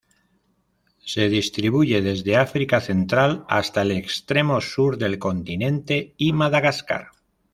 Se distribuye desde África central hasta el extremo sur del continente y Madagascar.